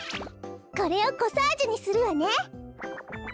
これをコサージュにするわね。